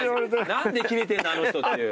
何でキレてんだあの人っていう。